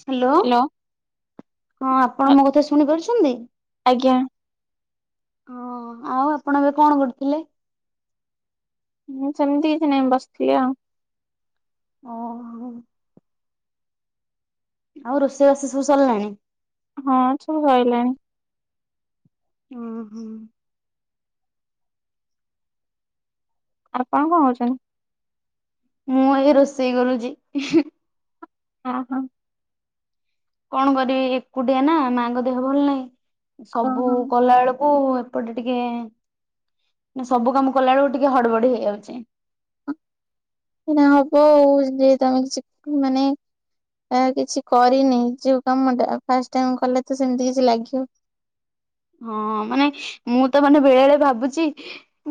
Hello ହଁ ଆପଣ ଆ- ମୋ କଥା ଶୁଣି ପାରୁଛନ୍ତି? ଆଜ୍ଞା ହଁ ଆଉ ଆପଣ ଏବେ କଣ କରୁଥିଲେ? ହୁଁ ସେମିତି କିଛି ନାଇଁ ବସିଛି ଆଉ। ହଁ। ଆଉ ରୋଷେଇ ବାଷେଇ ସବୁ ସରିଲାଣି? ହଁ ସବୁ ସଇଲାଣି। ଓଁ ହୁଁ। ଆପଣ କଣ କରୁଛନ୍ତି? ମୁଁ ଏଇ ରୋଷେଇ କରୁଚି ଉହୁଁ। ହଁ ହଁ। କଣ କରିବି ଏକୁଟିଆ ନା ମାଙ୍କ ଦେହ ଭଲ ନାହିଁ ସବୁ ଓହୋ କଲା ବେଳକୁ ଏପଟେ ଟିକେ ସବୁ କାମ କଲା ବେଳକୁ ଟିକେ ହଡ ବଡି ହେଇଯାଉଛି। ସେଇ ହବ ଆଉ ଯେ ତମେ କିଛି ମାନେ ଆ କିଛି କରିନି ଯୋଉ କାମଟା ଫାଷ୍ଟ ଟାଇ କଲେ ତ ସେମିତି କିଛି ଲାଗିବ। ହଁ ମାନେ ମୁଁ ତ ମାନେ ବେଳେ ବେଳେ ଭାବୁଛି।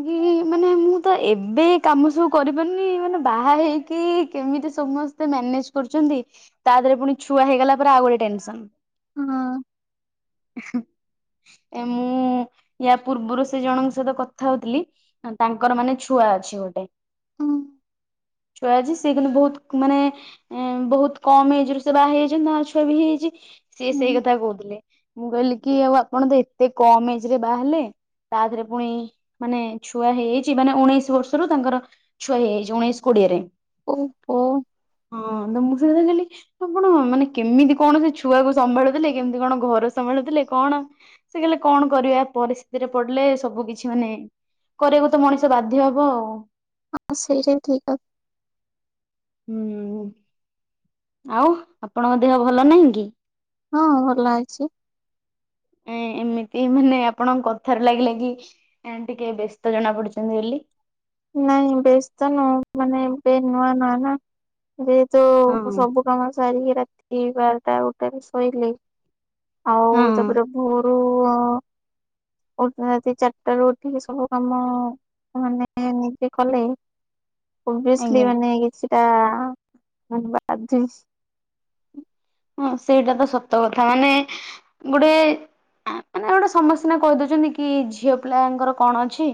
କି ମାନେ ମୁଁ ତ ଏବେ କାମ ସବୁ କରିପାରୁନି ମାନେ ବାହା ହେଇକି କେମିତି ସମସ୍ତ ମ୍ୟାନେଜ କରୁଛନ୍ତି ତା ଦେହରେ ପୁଣି ଛୁଆ ହେଇଗଲା ପରେ ଆଉ ଗୋଟେ ଟେନସନ। ହୁଁ। ଏ ମୁଁ ୟା ପୂର୍ବରୁ ସେ ଜଣଙ୍କ ସହିତ କଥା ହଉଥିଲି। ତାଙ୍କର ମାନେ ଛୁଆ ଅଛି ଗୋଟେ। ହୁଁ ଛୁଆ ଅଛି ସେ କିନ୍ତୁ ବହୁତ ମାନେ ଏ ବହୁତ କମ ଏଜ ରୁ ସେ ବାହା ହେଇଯାଇଛନ୍ତି ତା ଛୁଆ ବି ହେଇଯାଇଛି ସିଏ ହୁଁ ସେଇ କଥା କହୁଥିଲେ। ମୁଁ କହିଲି କି ଆଉ ଆପଣ ତ ଏତେ କମ ଏଜରେ ବାହାହେଲେ। ତା ଦେହରେ ପୁଣି ମାନେ ଛୁଆ ହେଇଯାଇଛି ମାନେ ଉଣେଇଶି ବର୍ଷରୁ ତାଙ୍କର ଛୁଆ ହେଇଯାଇଛି ଉଣେଇଶ କୋଡିଏରେ। ଓହୋ। ହଁ ମୁ କଲି ଆପଣ ମାନେ କେମିତି କଣ ସେ ଛୁଆକୁ ସମ୍ଭାଳିଦେଲେ କେମିତି କଣ ଘର ସମ୍ଭାଳୁଥିଲେ କଣ ସେ କହିଲେ କଣ କରିବା ପରିସ୍ଥିତିରେ ପଡିଲେ ସବୁ କିଛି ମାନେ କରିବାକୁ ତ ମଣିଷ ବାଧ୍ୟ୍ୟ ହବ ଆଉ। ହଁ ସେଇଠା ବି ଠିକ କଥା। ହୁଁ ଆଉ ଆପଣଙ୍କ ଦେହ ଭଲ ନାହିଁ କି? ହଁ ଭଲ ଅଛି। ଏ ଏମିତି ମାନେ ଆପଣଙ୍କ କଥାରୁ ଲାଗିଲା କି ଟିକେ ବ୍ୟସ୍ତ ଜଣା ପଡିୁଛନ୍ତି ବୋଲି। ନାଇଁ ବ୍ୟସ୍ତ ନୁହଁ ମାନେ ଏବେ ନୂଆ ନୂଆ ନା ଏବେତ ହଁ। ସବୁ କାମ ସାରିକି ରାତି ବାରଟା ଗୋଟେ ରୁ ଶୋଇଲି। ଆଉ ହଁ ତାପରେ ଭୋରୁ ଅଧ ରାତି ଚାରିଟା ରୁ ଉଠିଲି ସବୁ କାମ ମାନେ ହଁ ଏମିତି କଲେ ଅଭିଅସଲି ଆଜ୍ଞା ମାନେ କିଛି ଟା ଧ ବା [unintelligible] ହଁ ସେଇଟା ତ ସତ କଥା ମାନେ ଗୋଟେ ମାନେ ଗୋଟେ ସମସ୍ତେ ସିନା କହି ଦେଉଛନ୍ତି କି ଝିଅ ପିଲାଙ୍କର କଣ ଅଛି।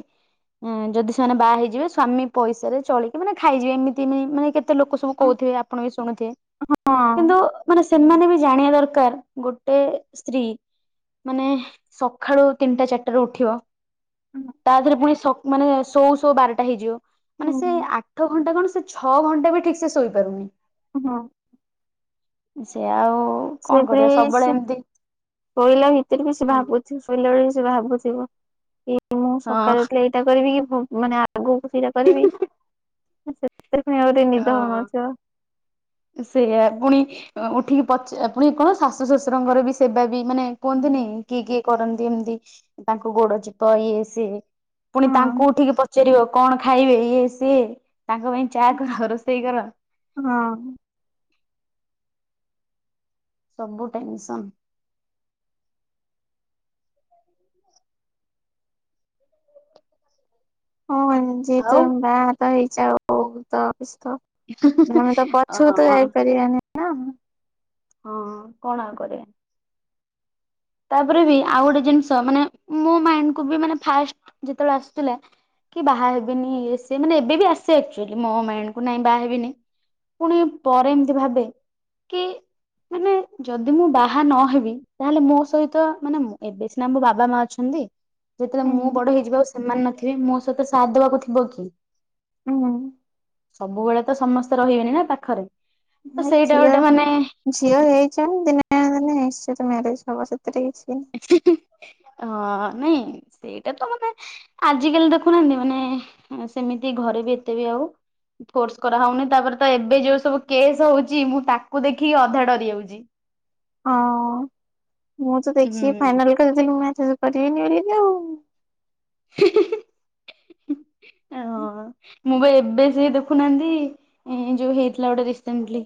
ଯଦି ସେମାନେ ବାହା ହେଇଯିବେ ସ୍ୱାମୀ ପଇସାରେ ଚଳିକି ମାନେ ଖାଇଯିବେ ଏମିତି ନାଇଁ ମାନେ ଏତେ ଲୋକ ସବୁ କହୁଥିବେ ଆପଣ ବି ଶୁଣୁଥିବେ ହଁ କିନ୍ତୁ ସେମାନେ ବି ଜାଣିବା ଦରକାର ଗୋଟେ ସ୍ତ୍ରୀ ମାନେ ସକାଳୁ ତିନିଟା ଚାରିଟା ରୁ ଉଠିବ ତାଦେହରେ ପୁଣି ମାନେ ଶୋଉ ଶୋଉ ବାରଟା ହେଇଯିବ ହୁଁ ମାନେ ସେ ଆ ଆଠ ଘଣ୍ଟା କଣ ସେ ଛଅ ଘଣ୍ଟା ବି ଠିକ ସେ ଶୋଇପାରୁନି। ହଁ ସେ ଆଉ କଣ କରିବା ସେଭଳି ସବୁବେଳେ ସେ ଏମିତି ଶୋଇଲା ଭିତରେ ବି ସେ ହଁ ଭାବୁ ଶୋଇଲାବେଳେ ସେ ଭାବୁଥିବ କି ମୁଁ ସକାଳୁ ହଁ। ଉଠି ଏଇଟା କରିବି କି ମାନେ ଆଗକୁ ସେଇଟା କରିବି। ସେଥିରେ ନିଦ ହଉନଥିବ ସେୟା ପୁଣି ଉଠିକି ପଚ ପୁଣି କଣ ଶାଶୁ ଶ୍ୱଶୁରଙ୍କର ବି ସେବା ବି ମାନେ କୁହନ୍ତିନି କିଏ କିଏ କରନ୍ତି ଏମିତି ତାଙ୍କ ଗୋଡ ଚିପ ଇଏ ସିଏ ପୁଣି ହଁ ତାଙ୍କୁ ଉଠିକି ପଚାରିବ କଣ ଖାଇବେ ଇଏ ସିଏ ତାଙ୍କ ପାଇଁ ଚା ରୋଷେଇ କର ହଁ। ସବୁ ଟେନସନ। ହଁ ଯେହେତୁ ଆଉ ଆମ ଗାଁ ହାଟ ହେଇଛ ତ ଅଉ ତ ଆମେ ତ ପଛକୁ ତ ହଁ ଯାଇପାରିବାନି ନା? ହଁ କଣ ଆଉ କରିବା। ତାପରେ ବି ଆଉ ଗୋଟେ ଜିନିଷ ମାନେ ମୋ ମାଇଣ୍ଡ କୁ ବି ମାନେ ଫାଷ୍ଟ ଯେତେବେଳେ ଆସିଥିଲା କି ବାହା ହେବିନି ଇଏ ସେ ମାନେ ଏବେ ବି ଆସେ ଆକଚୁଆଲି ମୋ ମାଇଣ୍ଡ କୁ ନାଇଁ ବାହା ହେବିନି। ପୁଣି ପରେ ଏମିତି ଭାବେ କି ମାନେ ଯଦି ମୁଁ ବାହା ନହେବି ତାହେଲେ ମୋ ସହିତ ମାନେ ଏବେ ସିନା ମୋ ବାବା ମା ଅଛନ୍ତି ଯେତେବେଳେ ହୁଁ ମୁଁ ବଡ ହେଇଯିବ ସେମାନେ ନଥିବେ ମୋ ସହିତ ସାଥ ଦେବାକୁ ଥିବ କିଏ? ହୁଁ। ସବୁବେଳେ ତ ସମସ୍ତେ ରହିବେନି ନା ପାଖରେ। ତ ହେ ସେଇଟା ଝିଅ ଗୋଟେ ମାନେ ଝିଅ ହେଇଛ ମାନେ ଦିନେ ନା ଦିନେ ନିଶ୍ଚିତ ମ୍ୟାରେଜ ହବ ସେଥିରେ କିଛି ହଁ ନାଇଁ ସେଇଟା ତ ମତେ ଆଜିକାଲି ଦେଖୁନାହାନ୍ତି ମାନେ ସେମିତି ଘରେ ବି ଏତେ ବି ଆଉ ଫୋର୍ସ କରାହଉନି ତାପରେ ତ ଏବେ ଯୋଉ ସବୁ କେସ୍ ହଉଛି ମୁଁ ତାକୁ ଦେଖିକି ଅଧା ଡରି ଯାଉଛି। ହଁ ମୁଁ ତ ହୁଁ ଦେଖିକି ଫାଇନାଲ କରିଥିଲି ମ୍ୟାରେଜ କରିବିନିି ବୋଲି ଆଉ ହୁଁ ହୁଁ ହୁଁ ହୁ, ଏ ହଁ, ହଁ। ମୁଁ ପା ଏବେ ସେ ଦେଖୁନାହାନ୍ତି ଏ ଯୋଉ ହେଇଥିଲା ଗୋଟେ ରସେଣ୍ଟଲି।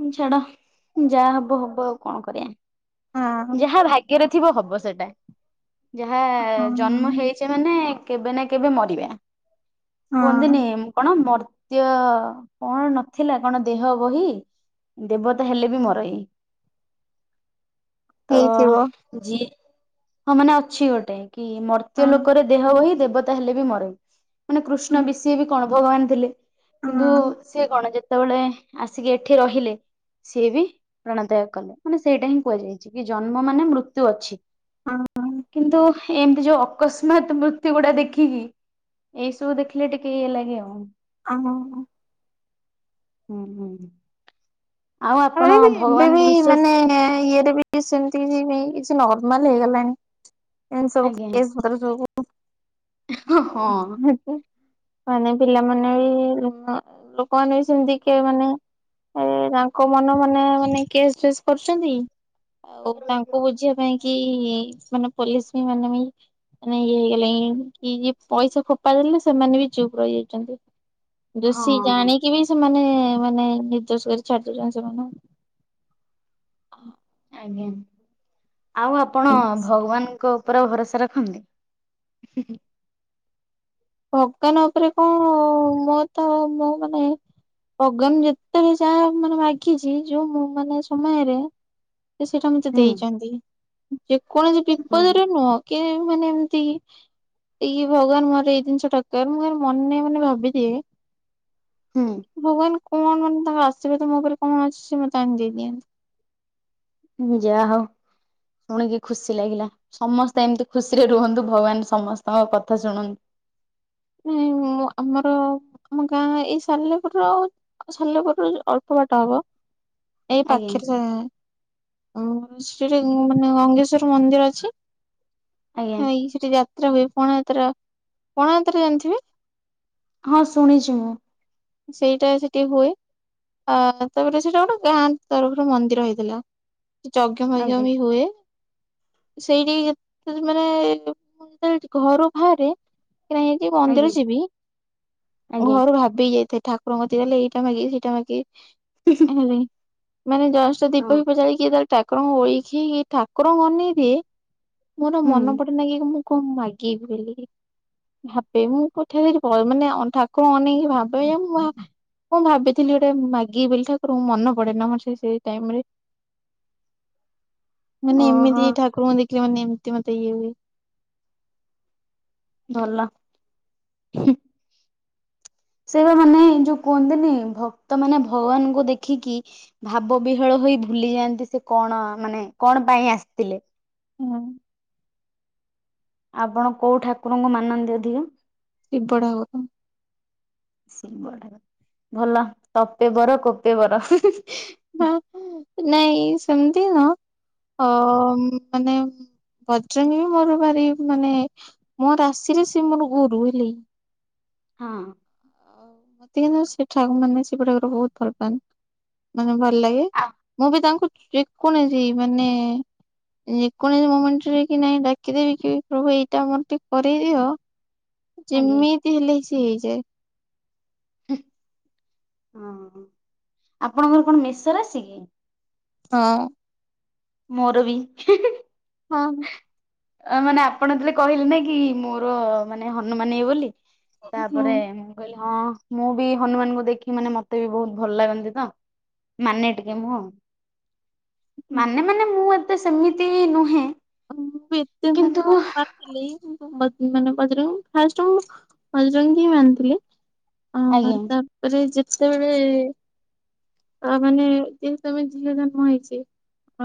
ଉଁ ଛାଡ ଯାହା ହବ। ହବ ଆଉ କଣ କରିବା। ଆଉ। ହଁ ଯାହା ଭାଗ୍ୟରେ ଥିବ ହବ ସେଟା ଯାହା ଜନ୍ମ ହଁ ହେଇ ହେଇଛେ ମାନେ କେବେ ନା କେବେ ମରିବା ହଁ କୁହନ୍ତିନି କଣ ମ ତ୍ୟ କଣ ନଥିଲା କଣ ଦେହ ବହି। ଦେବତା ହେଲେ ବି ମର ଏଇ। [inaudible] ତ ହେଇଥିବ ଯିଏ ହଁ ମାନେ ଅଛି ଗୋଟେ। କି ମର୍ତ୍ୟ ହଁ ଲୋକରେ ଦେହ ବହି ଦେବତା ହେଲେ ବି ମରେ ମାନେ ହଁ। କୃଷ୍ଣ ବିଶି ବି କଣ ଭଗବାନ ଥିଲେ କିନ୍ତୁ ସିଏ କଣ ଯେତେବେଳେ ଆସିକି ଏଠି ରହିଲେ। ସିଏ ବି ପ୍ରାଣତ୍ୟାଗ କଲେ। ମାନେ ସେଇଟା ହିଁ କୁହାଯାଇଛି କି ଜନ୍ମ ମାନେ ମୃତ୍ୟୁ ଅଛି। ହଁ କିନ୍ତୁ ଏମିତି ଯୋଉ ଅକସ୍ମାତ୍ ମୃତ୍ୟୁ ଗୁଡା ଦେଖି ଦେଖିକି ଏଇସବୁ ଦେଖିଲେ ଟିକେ ଇଏ ଲାଗେ ଆଉ। ଆଉ କଣ କୁହ। ହୁଁ ହୁଁ। ଆଉ ଆପଣ ଚାହିଁଲେ ଏବେ ଭଗବାନଙ୍କୁ ବି ବିଶ୍ଵାସ ମାନେ ଇଏରେ ବି ନାଇଁ ସେମତି କିାଇ କିଛି ନର୍ମାଲ ହେଇଗଲାଣି ଏମତି ସବୁ କେଶ ପତ୍ର ସବୁ। ଉହୂ ଆଉ ହଁ। ମାନେ ପିଲାମାନେ ବି ଲୋକମାନେ ବି ସେମିତି କି ମାନେ। ଏ ତାଙ୍କ ମନ ମାନେ ମାନେ କେସ୍ ଫେସ୍ କରୁଛନ୍ତି ଆଉ ତାଙ୍କୁ ବୁଝିବା ପାଇଁ କି ମାନେ ପୋଲିସ ବି ମାନେ ବି ମାନେ ଇଏ ହେଇଗଲାଣି କି ଯେ ପଇସା ଫୋପଡି ଦେଲେ ସେମାନେ ବି ଚୁପ ରହିଯାଇଛନ୍ତି। ଦୋଷୀ ହଁ ଜାଣିକି ବି ସେମାନେ ମାନେ ନିର୍ଦ୍ଦୋଷ କରି ଛାଡି ଦଉଛନ୍ତି ସେମାନଙ୍କୁ। ଆଜ୍ଞା, ଆଉ ଆପଣ ଭଗବାନଙ୍କ ଉପରେ ଭରସା ରଖନ୍ତି, ଉ, ହୁଁ, ଉ, ହୁଁ। ଭଗବାନ ଉପରେ କଣ ମୋର ତ ମୋ ମାନେ ଭଗବାନ୍ ମାନେ ଯେତେବେଳେ ଜାହା ମାଗିଛି ମାନେ ଯୋଉ ମୁଁ ମାନେ ସମୟରେ ସେ ସେଇଟା ମତେ ହୁଁ ଦେଇଛନ୍ତି, ଯେକୌଣସି ବିପଦରେ ନୁହଁ। କେଜାଣି ମାନେ ଏମିତି ଇଆ ଭଗବାନ ମର ଜିନିଷଟା ମୁଁ ଖାଲି ମନେ ମନେ ଭାବିଦିଏ। ହୁଁ। ଭଗବାନ କଣ ମାନେ ତାଙ୍କ ଆଶୀର୍ବାଦ ମୋ ଉପରେ କଣ ଅଛି ସେ ମତେ ଆଣି ଦେଇଦିଅନ୍ତି। ଯାହାହଉ। ଶୁଣିକି ଖୁସି ଲାଗିଲା ସମସ୍ତେ ଏମିତି ଖୁସିରେ ରୁହନ୍ତୁ ଭଗବାନ ସମସ୍ତଙ୍କ କଥା ଶୁଣନ୍ତୁ। ନାଁଇ ମୁଁ ଆମର ଆମ ଗାଁ ଏଇ ସାଲେପୁରୁ। ଆଉ ସାଲେପୁରରୁ ଅଳ୍ପ ବାଟ ହବ ଏଇ ଆଜ୍ଞା। ପାଖରେ ଆ ସେଠି ମାନେ ଗଙ୍ଗେଶ୍ଵର ମନ୍ଦିର ଅଛି ଆଜ୍ଞା ଏଇ ସେଠି ଯା ଯାତ୍ରା ହୁଏ ପଣା ଯାତ୍ରା ହୁଏ ପଣାଯାତ୍ରା ଜାଣିଥିବେ। ହଁ, ଶୁଣିଛି ମୁଁ ସେଇଟା ସେଠି ହୁଏ। ଆ ତାପରେ ଗୋଟେ ସେଇଟା ବ୍ୟାନ୍ ତରଫରୁ ମନ୍ଦିର ହେଇଥିଲା। ଯଜ୍ଞ, ପଂଜ୍ଞ ଆଜ୍ଞା ବି ହୁଏ। ସେଇଠି ଯଦି ମାନେ ମୁଁ ଯେତେବେଳେ ଘରୁ ବାହାରେ କି ନାଇଁ କି ମନ୍ଦିର ଆଜ୍ଞା ଯିବି ଆଜ୍ଞା ଘରୁ ଭାବିକି ଯାଇଥାଏ ଠାକୁରଙ୍କ କତୀକି ଗଲେ ଏଇଟା ମାଗିବି ସେଇଟା ମାଗିବି। ହେଲେ ମାନେ ଜଷ୍ଟ ହଁ। ଦୀପ ଫିପ ଜାଳି କି ଯେତେବେଳେ ଠାକୁରଙ୍କୁ ଓଳଖି ଠାକୁରଙ୍କୁ ଅନେଇ ଦିଏ ମୋର ମନେ ହୁଁ ପଡେ ନା କି ମୁଁ କଣ ମାଗିବି ବୋଲି ଭାବେ ମୁଁ ପଠେ ମାନେ ଠାକୁରଙ୍କୁ ଅନେଇକି ଭାବେ ତୋୟା ମୁଁ ଆ କଣ ଭାବିଥିଲି ଗୋଟେ ମାଗିବି ବୋଲି ଠାକୁରଙ୍କୁ ମନ ପଡେ ନା ମୋର ସେଇ ସେଇ ଟାଇମ୍ ରେ। ମାନେ ଓହୋ ଏମିତି ଠାକୁରଙ୍କୁ ଦେଖିଲେ ମାନେ ଏମିତି ମତେ ଇଏ ହୁଏ। ଭଲ। ସେଇ ମାନେ ଯୋଉ କୁହନ୍ତିନି ଭକ୍ତ ମାନେ ଭଗବାନଙ୍କୁ ଦେଖିକି ଭାବ ବିହ୍ୱଳ ହୋଇ ଭୁଲି ଯାଆନ୍ତି ସେ କଣ ମାନେ କଣ ପାଇଁ ଆସିଥିଲେ? ହଁ। ଆପଣ କୋଉ ଠାକୁରଙ୍କୁ ମାନନ୍ତି ଅଧିକ? ଶିବ ଠାକୁରଙ୍କୁ। ସେ ଭଲ ତପେ ବର କୋପେ ବର। ନାଇଁ ସେମିତି ନ ଅ ମାନେ ବଜରଙ୍ଗୀ ବି ମୋର ଭାରି ମାନେ ମୋ ରାଶିରେ ସିଏ ମୋର ଗୁରୁ ହେଲେ ହଁ। ଆଉ ମତେ କି ସେଠା ମାନେ ଶିବଠାକୁର ବହୁତ ଭଲ ପାଆନ୍ ମାନେ ଭଲ ଲାଗେ ଆ ମୁଁ ବି ତାଙ୍କୁ ଯେକୌଣସି ମାନେ ଯେକୌଣସି ମୋମେଣ୍ଟରେ କି ନାଇଁ ଡାକିଦେବି କି ପ୍ରଭୁ ଏଇଟା ମୋର ଟିକେ କରଇଦିଅ। ଆଜ୍ଞା ଯେମିତି ହେଲେ ସିଏ ହେଇଯାଏ। ହଁ ଆପଣଙ୍କର କଣ ମେଷ ରାଶି କି? ହଁ। ମୋର ବି। ହଁ। ଅ ମାନେ ଆପଣଲେ କହିଲେ ନା କି ମୋର ମାନେ ହନୁମାନ ଇଏ ବୋଲି। ହୁଁ। ତାପରେ ମୁଁ କହିଲି ହଁ ମୁଁ ବି ହନୁମାନଙ୍କୁ ଦେଖି ମାନେ ମତେ ବି ବହୁତ ଭଲ ଲାଗନ୍ତି ତ। ମାନେ ଟିକେ ମୁଁ ମାନେ ମାନେ ମୁଁ ଏତେ ସେମିତି ନୁହେଁ। [unintelligible] ଏତେ [unintelligible] ମାନେ କିନ୍ତୁ ବଜରଙ୍ଗ ଫାଷ୍ଟ ମୁଁ ବଜରଙ୍ଗୀ ହିଁ ବାନ୍ଧିଥିଲି। ଆଜ୍ଞା। ତାପରେ ଯେତେବେଳେ ଆ ମାନେ ଯେ ତମେ ଝିଅ ଜନ୍ମ ହେଇଛି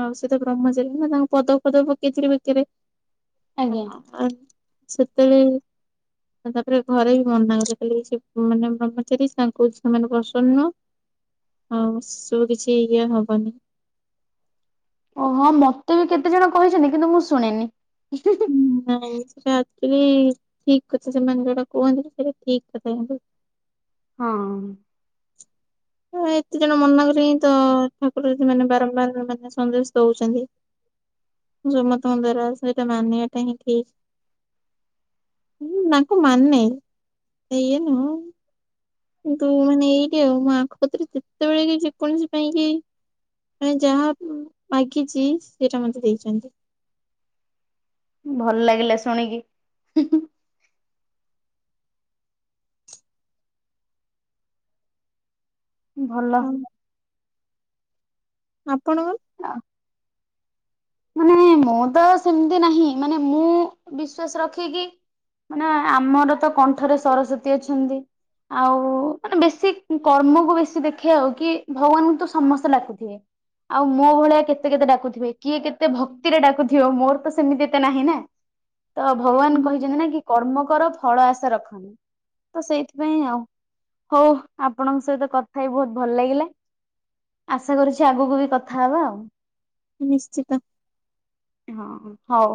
ଆଉ ସେ ତ ବ୍ରହ୍ମଚାରୀ ନା ତାଙ୍କୁ ପଦ ଫଦ ପକେଇଥିଲ ବେକରେ ଆଜ୍ଞା ସେତେବେଳେ ତାପରେ ଘରେ ବି ମନା କ ମାନେ ବ୍ରହ୍ମଚାରୀ ତାଙ୍କୁ ସେମାନେ ପସନ୍ ନୁହଁ। ହଁ ସବୁ କିଛି ଇଏ ହବନି। ଓହଁ ମତେ ବି କେତେ ଜଣ କହିଛନ୍ତି କିନ୍ତୁ ମୁଁ ଶୁଣେନି। ନାଇଁ ସେଟା ଆଜିକାଲି ଠିକ କଥା ସେମାନେ ଯୋଉଟା କୁହନ୍ତି ସେଟା ଠିକ କଥା। ହଁ। ହ ଏତେ ଜଣ ମନାକଛନ୍ତି ହିଁ ତ ଠାକୁର ଯି ମାନେ ବାରମ୍ବାର ମାନେ ସନ୍ଦେଶ ଦଉଛନ୍ତି। [unintelligible] ହ ଠିକ ହଁ ତାଙ୍କୁ ମାନେ ନୁହଁ କିନ୍ତୁ ମାନେ ଏଇଟା ଆଉ ମୋ ଆଖପତିରେ ଯେତେବେଳେ କି ଯେକୌଣସି ପାଇଁ କି ମାନେ ଯାହା ମାଗିଛି ସେଟା ମତେ ଦେଇଛନ୍ତି। ଭଲ ଲାଗିଲା ଶୁଣିକି। ଭଲ। ହଁ, ଆପଣ ମାନେ ମୁଁ ତ ସେମିତି ନାହିଁ ମାନେ ମୁଁ ବିଶ୍ୱାସ ରଖିକି ମାନେ ଆମର ତ କଣ୍ଠରେ ସରସ୍ଵତୀ ଅଛନ୍ତି। ଆଉ ମାନେ ବେଶୀ କର୍ମକୁ ବେଶୀ ଦେଖେଇ ହଉ କି ଭଗବାନଙ୍କୁ ତ ସମସ୍ତେ ଡ଼ାକୁଥିବେ। ଆଉ ମୋ ଭଳିଆ କେତେ କେତେ ଡାକୁଥିବେ କିଏ କେ ତେ ଭକ୍ତିରେ ଡାକୁଥିବ ମୋର ତ ସେମିତି ତ ନାହିଁ ନା। ତ ଭଗବାନ କହିଛନ୍ତି ନା କି କର୍ମ କର ଫଳ ଆଶା ରଖନି। ତ ସେଇଥିପାଇଁ ଆଉ ହଉ ଆପଣଙ୍କ ସହିତ କଥା ହେଇ ବହୁତ ଭଲ ଲାଗିଲା। ଆଶା କରୁଛି ଆଗକୁ ବି କଥା ହବା ଆଉ। ନିଶ୍ଚିତ। ହଁ ହଉ।